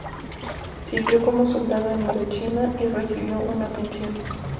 Sirvió como soldado en Indochina y recibió una pensión.